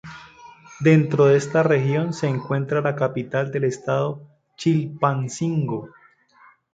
Dentro de esta región se encuentra la capital del estado Chilpancingo.